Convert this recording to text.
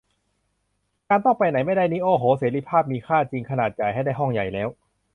การต้องไปไหนไม่ได้นี่ โอ้โห เสรีภาพมีค่าจริง ขนาดจ่ายให้ได้ห้องใหญ่แล้ว